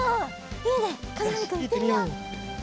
いいねかずふみくんいってみよう。